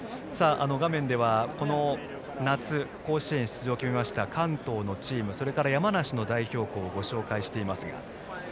画面ではこの夏甲子園出場を決めました関東のチームそして山梨の代表校をご紹介していますが。